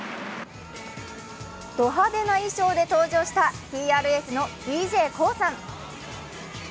ド派手な衣装で登場したＴＲＦのＤＪＫＯＯさん。